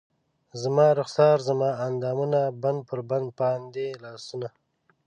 زما رخسار زما اندامونه بند پر بند باندې لاسونه